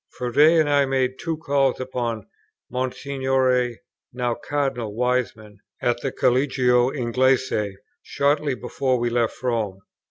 Froude and I made two calls upon Monsignore (now Cardinal) Wiseman at the Collegio Inglese, shortly before we left Rome.